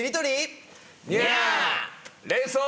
連想。